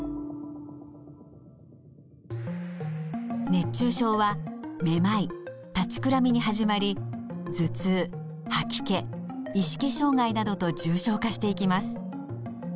熱中症はめまい立ちくらみに始まり頭痛吐き気意識障害などと重症化していきます。